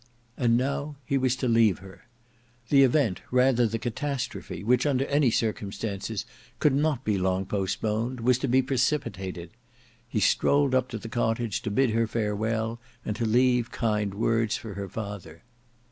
And now he was to leave her. The event, rather the catastrophe, which under any circumstances, could not be long postponed, was to be precipitated. He strolled up to the cottage to bid her farewell and to leave kind words for her father.